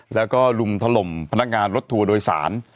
แล้วก็ลุมถล่มพนักงานรถทัวร์โดยสาร